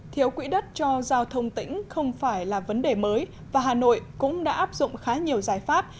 thiếu quỹ đất cho giao thông tỉnh không phải là vấn đề mới và hà nội cũng đã áp dụng khá nhiều giải pháp